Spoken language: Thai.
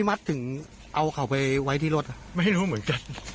มันใกล้มั้ง